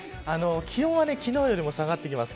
気温は昨日よりも下がってきます。